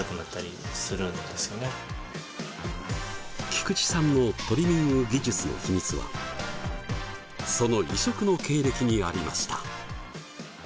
菊池さんのトリミング技術の秘密はその異色の経歴にありました。